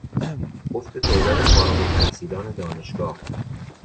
افت تعداد فارغالتحصیلان دانشگاه